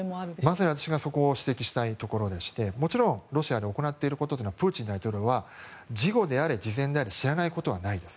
まさに私がそこを指摘したいところでしてもちろんロシアで行っていることというのはプーチン大統領は事後であれ事前であれ知らないことはないんです。